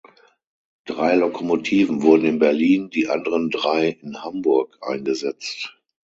Drei Lokomotiven wurden in Berlin, die anderen drei in Hamburg eingesetzt.